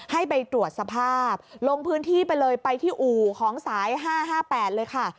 ให้ไปตรวจสภาพลงพื้นที่ไปเลยไปที่อู่ของสาย๕๕๘เลยค่ะ